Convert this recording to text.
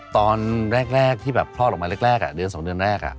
ตอนแรกที่พ่อหลงมาแรกอะเดือนสองเดือนแรกอะ